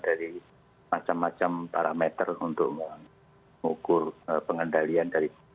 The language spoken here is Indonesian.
dari macam macam parameter untuk mengukur pengendalian dari